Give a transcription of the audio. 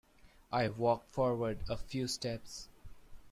I walked forward a few steps.